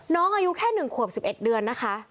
น้องอายุแค่๑ขวบ๑๑เดือนนะคะ